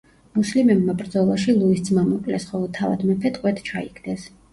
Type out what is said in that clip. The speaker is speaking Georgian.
მუსლიმებმა ბრძოლაში ლუის ძმა მოკლეს, ხოლო თავად მეფე ტყვედ ჩაიგდეს.